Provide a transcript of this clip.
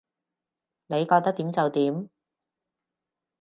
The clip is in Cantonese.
你覺得點就點